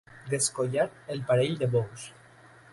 Descollar el parell de bous.